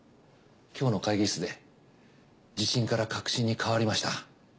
今日の会議室で自信から確信に変わりました。